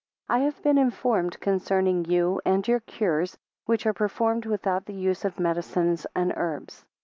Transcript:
2 I have been informed concerning you and your cures, which are performed without the use of medicines and herbs.